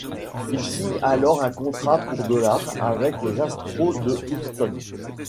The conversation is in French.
Il signe alors un contrat pour dollars avec les Astros de Houston.